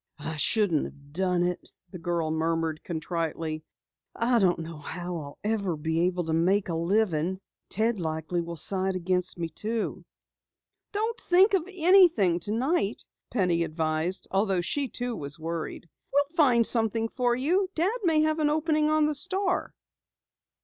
"I shouldn't have done it," the girl murmured contritely. "I don't know how I'll ever manage to make a living. Ted likely will side against me, too." "Don't think of anything tonight," Penny advised, although she too was worried. "We'll find something for you. Dad may have an opening on the Star."